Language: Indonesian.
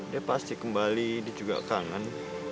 dia pasti kembali dia juga kangen